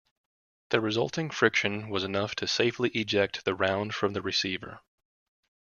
The resulting friction was enough to safely eject the round from the receiver.